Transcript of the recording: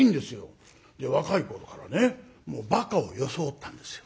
若い頃からねバカを装ったんですよ。